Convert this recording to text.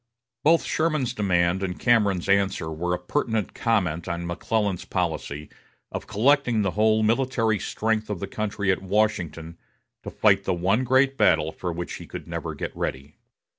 Both Sherman's demand and Cameron's answer were a pertinent comment on McClellan's policy of collecting the whole military strength of the country at Washington to fight the one great battle for which he could never get ready.